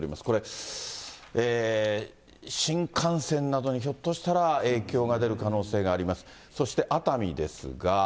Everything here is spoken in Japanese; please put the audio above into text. これ、新幹線などにひょっとしたら影響が出る可能性があります。